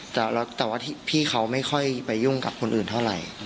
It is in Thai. แต่ว่าพี่เขาไม่ค่อยไปยุ่งกับคนอื่นเท่าไหร่